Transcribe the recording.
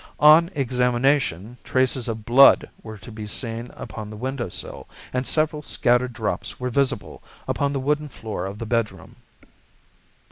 On examination traces of blood were to be seen upon the windowsill, and several scattered drops were visible upon the wooden floor of the bedroom.